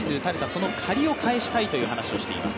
その借りを返したいという話をしています。